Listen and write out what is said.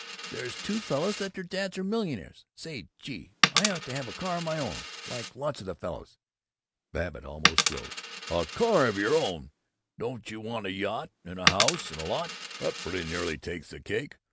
There's two fellows that their dads are millionaires. Say, gee, I ought to have a car of my own, like lots of the fellows." Babbitt almost rose. "A car of your own! Don't you want a yacht, and a house and lot? That pretty nearly takes the cake!